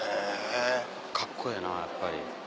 カッコええなやっぱり。